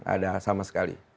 ada sama sekali